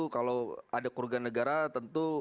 kalau ada kurgan negara tentu